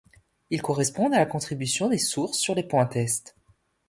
Ils correspondent à la contribution des sources sur les points tests.